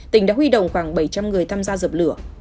tỉnh đã huy động khoảng bảy trăm linh người tham gia dập lửa